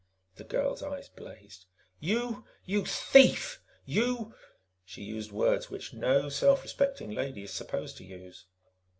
The girl's eyes blazed. "You you thief! You " She used words which no self respecting lady is supposed to use.